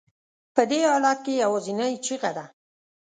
په دې حالت کې یوازینۍ چیغه ده.